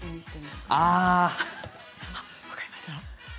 ああ！